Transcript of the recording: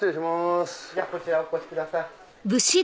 こちらお越しください。